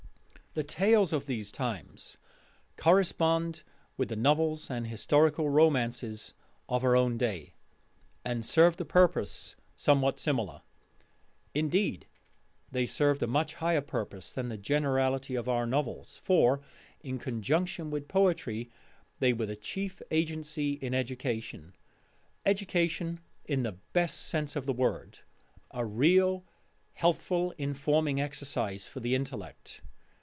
The tales of those times correspond with the novels and historical romances of our own day, and served a purpose somewhat similar. Indeed they served a much higher purpose than the generality of our novels; for in conjunction with poetry they were the chief agency in education education in the best sense of the word a real healthful informing exercise for the intellect.